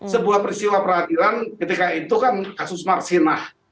sebuah peristiwa peradilan ketika itu kan kasus marsinah